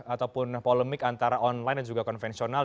ataupun polemik antara online dan juga konvensional